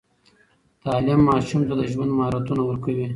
تعليم ماشوم ته د ژوند مهارتونه ورکوي.